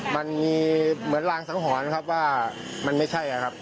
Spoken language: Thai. มันมีเหมือนรางสังหรณ์ครับว่ามันไม่ใช่ครับ